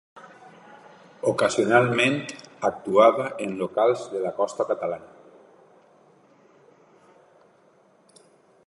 Ocasionalment, actuava en locals de la costa catalana.